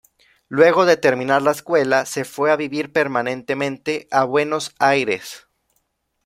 Luego de terminar la escuela se fue a vivir permanentemente a Buenos Aires.